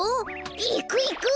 いくいく！